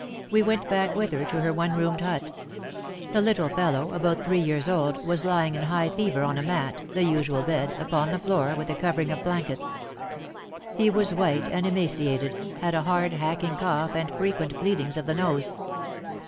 We went back with her to her one roomed hut. The little fellow, about three years old, was lying in high fever on a mat — the usual bed — upon the floor, with a covering of blankets. He was white and emaciated, had a hard hacking cough and frequent bleedings of the nose.